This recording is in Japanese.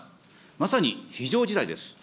まさに非常事態です。